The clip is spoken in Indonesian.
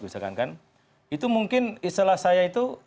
itu mungkin istilah saya itu